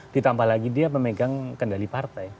ditambah lagi dia pemegang kendali partai